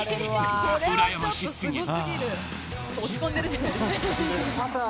ううらやましすぎる。